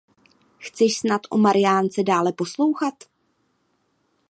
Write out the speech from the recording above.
Chceš snad o Márince dále poslouchat?